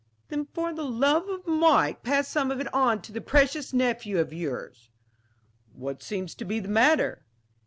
"Then for the love of Mike pass some of it on to this precious nephew of yours." "What seems to be the matter?"